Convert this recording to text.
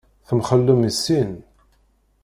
Temxellem i sin?